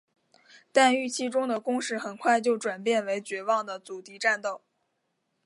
但预期中的攻势很快就转变成绝望的阻敌战斗。